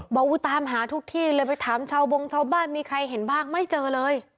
ตามหาทุกที่เลยไปถามชาวบงชาวบ้านมีใครเห็นบ้างไม่เจอเลย